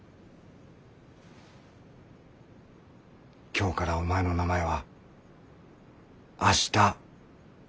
今日からお前の名前は明日待子だ。